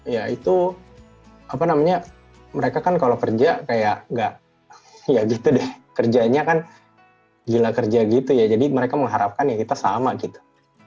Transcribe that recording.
ya itu apa namanya mereka kan kalau kerja kayak gak ya gitu deh kerjanya kan gila kerja gitu ya jadi mereka mengharapkan ya kita sama gitu